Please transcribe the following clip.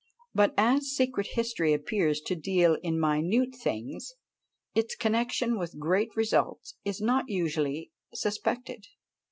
But as secret history appears to deal in minute things, its connexion with great results is not usually suspected.